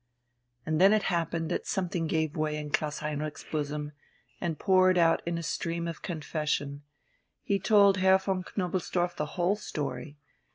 And then it happened that something gave way in Klaus Heinrich's bosom, and poured out in a stream of confession: he told Herr von Knobelsdorff the whole story.